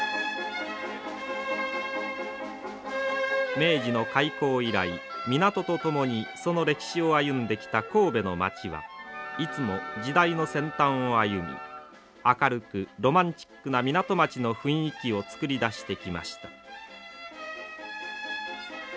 明治の開港以来港と共にその歴史を歩んできた神戸の町はいつも時代の先端を歩み明るくロマンチックな港町の雰囲気をつくり出してきました。